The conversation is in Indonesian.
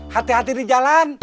hati hati di jalan